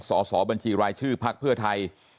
สอบบัญชีรายชื่อพักเพื่อไทย